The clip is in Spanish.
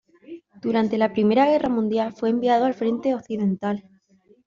Durante la Primera Guerra Mundial fue enviado al frente occidental.